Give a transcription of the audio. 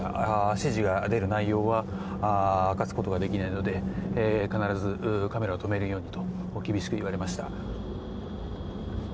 指示が出る内容は明かすことができないので必ずカメラを止めるようにと厳しく言われました。